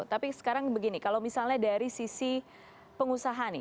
tapi sekarang begini kalau misalnya dari sisi pengusaha nih